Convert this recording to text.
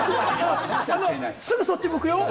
すぐそっちに行くよ！